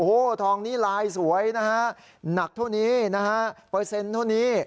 โอโหทองนี้ลายสวยนักเท่านี้ตัวนี้เปอร์เซ็นต์เท่านี้